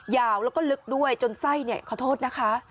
ยาวแล้วก็ลึกด้วยจนไส้เนี่ยขอโทษนะคะ